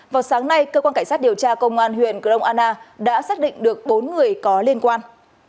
vào sáng nay cơ quan cảnh sát điều tra công an huyện grong anna đã xác định được bốn người có liên quan